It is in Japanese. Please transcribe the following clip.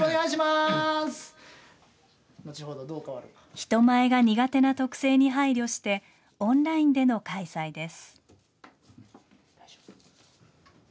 人前が苦手な特性に配慮して、オンラインでの開催です。